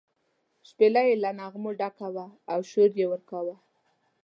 شپېلۍ یې له نغمو ډکه وه او شور یې ورکاوه.